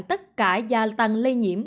tất cả gia tăng lây nhiễm